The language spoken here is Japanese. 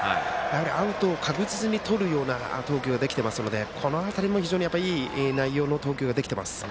アウトを確実に取るような投球ができてますのでこの辺りもいい内容の投球ができています。